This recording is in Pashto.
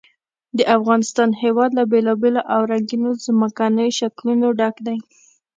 د افغانستان هېواد له بېلابېلو او رنګینو ځمکنیو شکلونو ډک دی.